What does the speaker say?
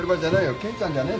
ケンちゃんじゃねえだろ。